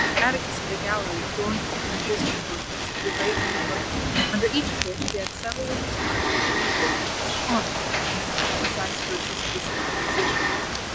Atticus had a gallery adorned with the images or portraits of the great men of Rome, under each of which he had severally described their principal acts and honours, in a few concise verses of his own composition.